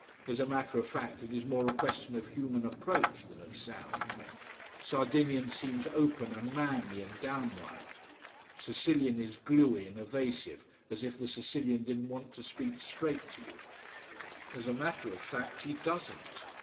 As a matter of fact, it is more a question of human approach than of sound. Sardinian seems open and manly and downright. Sicilian is gluey and evasive, as if the Sicilian didn't want to speak straight to you. As a matter of fact, he doesn't.